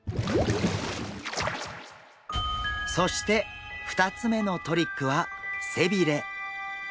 そして２つ目のトリックは背びれ。